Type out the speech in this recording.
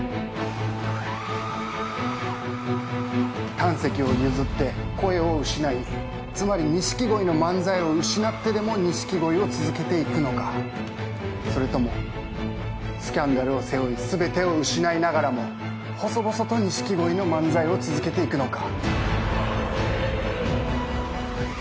胆石を譲って声を失いつまり錦鯉の漫才を失ってでも錦鯉を続けていくのかそれともスキャンダルを背負い全てを失いながらも細々と錦鯉の漫才を続けていくのか。